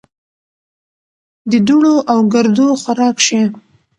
د دوړو او ګردو خوراک شي .